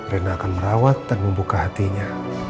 renda akan merawat dan membuka hatinya